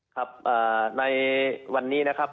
ครับในวันนี้นะครับ